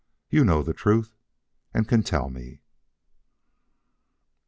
You know the truth and can tell me."